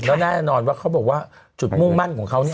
แล้วแน่นอนว่าเขาบอกว่าจุดมุ่งมั่นของเขาเนี่ย